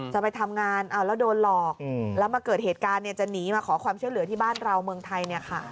จะไปทำงานอ้าวแล้วโดนหลอกแล้วมาเกิดเหตุการณ์เนี่ย